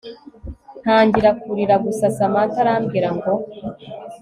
ntangira kurira gusa samantha arambwira ngo